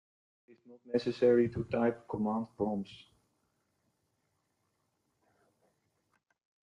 It is not necessary to type command prompts.